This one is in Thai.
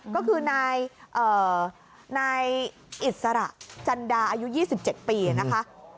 ก็คือนายอิสระจันดาอายุ๒๗ปีนะคะ